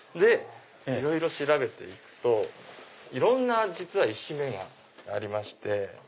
いろいろ調べて行くといろんな実は石目がありまして。